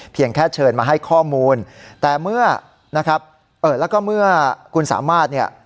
เพียงแค่เชิญมาให้ข้อมูลแต่เมื่อแล้วก็เมื่อคุณสามารถเนี่ย